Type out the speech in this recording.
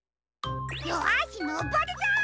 よしのぼるぞ！